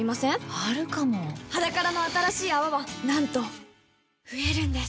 あるかも「ｈａｄａｋａｒａ」の新しい泡はなんと増えるんです